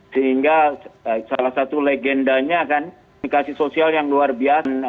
sehingga salah satu legendanya kan komunikasi sosial yang luar biasa